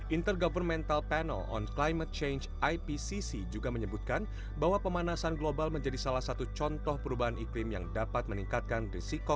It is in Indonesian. inter governmental panel on climate change ipcc juga menyebutkan bahwa pemanasan global menjadi salah satu contoh perubahan iklim yang dapat meningkatkan risiko